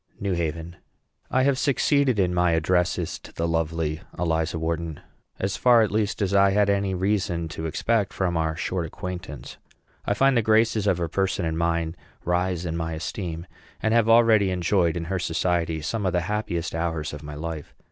NEW HAVEN. I have succeeded in my addresses to the lovely Eliza Wharton as far, at least, as I had any reason to expect from our short acquaintance. I find the graces of her person and mind rise in my esteem, and have already enjoyed in her society some of the happiest hours of my life.